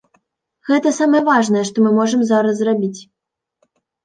Гэта самае важнае, што мы можам зараз зрабіць.